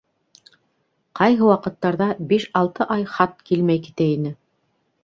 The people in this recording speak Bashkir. Ҡайһы ваҡыттарҙа биш-алты ай хат килмәй китә ине.